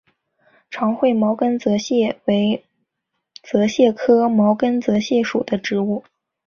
长喙毛茛泽泻为泽泻科毛茛泽泻属的植物。